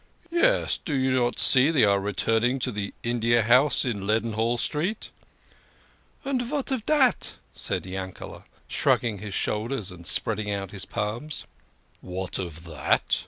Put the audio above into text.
Yes do you not see they are returning to the India House in Leadenhall Street?" "And vat of dat? " said Yankele", shrugging his shoulders and spreading out his palms. " What of that?